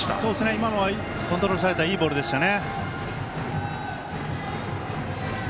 今のはコントロールされたいいボールでしたね。